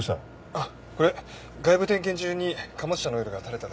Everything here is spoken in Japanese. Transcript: あっこれ外部点検中に貨物車のオイルが垂れただけです。